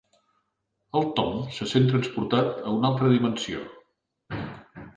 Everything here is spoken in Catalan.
El Tom se sent transportat a una altra dimensió.